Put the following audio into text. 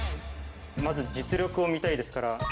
まず実力を見たいですから。